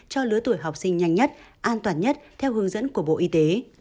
cho lứa tuổi học sinh nhanh nhất an toàn nhất theo hướng dẫn của bộ y tế